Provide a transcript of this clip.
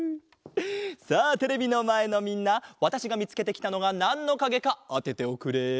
さあテレビのまえのみんなわたしがみつけてきたのがなんのかげかあてておくれ。